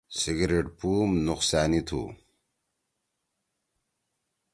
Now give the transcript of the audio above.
سیگریٹ پُو نُقصأنی تُھو۔